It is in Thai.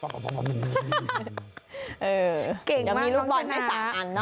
เก่งมากคุณชนะยังมีลูกบอลให้๓อันนะ